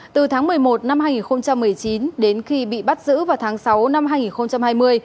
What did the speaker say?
từ tháng một mươi một năm hai nghìn một mươi chín đến khi bị bắt giữ vào tháng sáu năm hai nghìn hai mươi